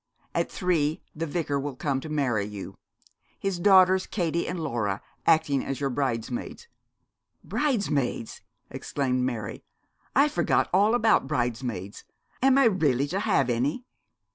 At three the Vicar will come to marry you, his daughters, Katie and Laura, acting as your bridesmaids.' 'Bridesmaids!' exclaimed Mary. 'I forgot all about bridesmaids. Am I really to have any?'